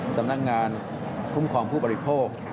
สำนักงานคุ้มครองผู้บริโภค